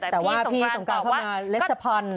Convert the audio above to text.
แต่ว่าพี่สงการเข้ามาเล็บสะพร